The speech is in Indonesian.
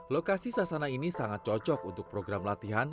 lokasi sasana ini sangat cocok untuk program latihan